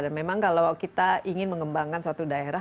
memang kalau kita ingin mengembangkan suatu daerah